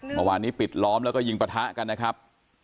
เมื่อวานนี้ปิดล้อมแล้วก็ยิงปะทะกันนะครับ